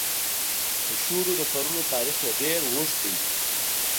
د شولو د کرلو تاریخ یې ډېر اوږد دی.